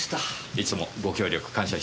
いつもご協力感謝してます。